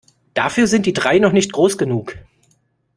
Dafür sind die drei noch nicht groß genug.